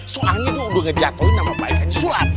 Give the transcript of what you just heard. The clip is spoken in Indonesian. soalnya tuh udah ngejatuhin nama baik aja sulam